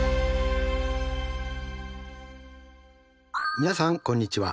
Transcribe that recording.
皆さんこんにちは。